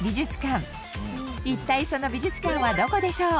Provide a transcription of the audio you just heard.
一体その美術館はどこでしょう？